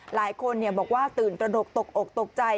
หลายคนบอกว่าตื่นตระหนกตกอกตกใจ